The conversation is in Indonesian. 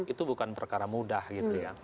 itu bukan perkara mudah gitu ya